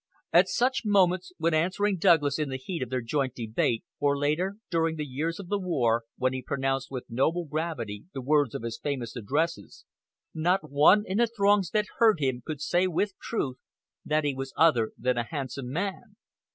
At such moments, when answering Douglas in the heat of their joint debate, or later, during the years of war, when he pronounced with noble gravity the words of his famous addresses, not one in the throngs that heard him could say with truth that he was other than a handsome man.